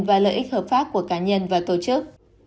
và lợi ích hợp pháp của cá nhân và tổ chức